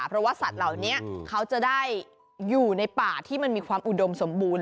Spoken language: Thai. เพราะว่าสัตว์เหล่านี้เขาจะได้อยู่ในป่าที่มันมีความอุดมสมบูรณ